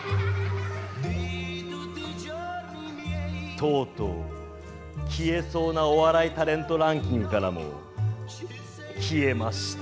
とうとう「消えそうなお笑いタレントランキング」からも消えました。